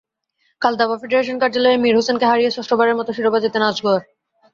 কাল দাবা ফেডারেশন কার্যালয়ে মীর হোসেনকে হারিয়ে ষষ্ঠবারের মতো শিরোপা জেতেন আজগর।